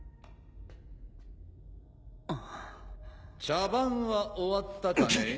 茶番は終わったかね？